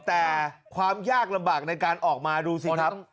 แต่ความยากลำบากในการออกมาดูสิครับ